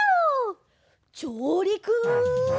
じょうりく！